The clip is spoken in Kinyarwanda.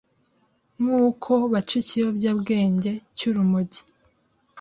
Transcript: Nk’uko baca ikiyobyabwenge cy’urumogi,